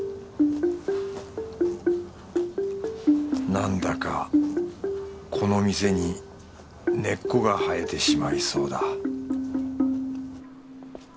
なんだかこの店に根っこが生えてしまいそうだ